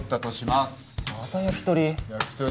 また焼き鳥？